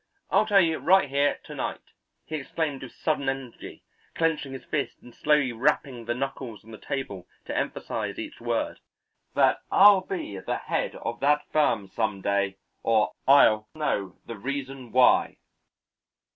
I'll tell you right here to night," he exclaimed with sudden energy, clenching his fist and slowly rapping the knuckles on the table to emphasize each word, "that I'll be the head of that firm some day, or I'll know the reason why."